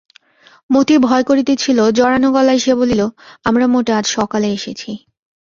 মতির ভয় করিতেছিল, জড়ানো গলায় সে বলিল, আমরা মোটে আজ সকালে এসেছি।